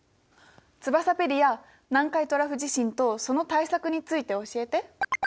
ツバサペディア南海トラフ地震とその対策について教えて！